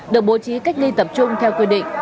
được bố trí cách ly tập trung theo quy định